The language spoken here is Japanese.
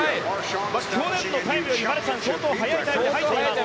去年のタイムよりマルシャン、相当速いタイムで入っています。